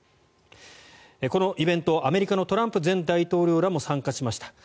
このイベントアメリカのトランプ前大統領らも参加しました。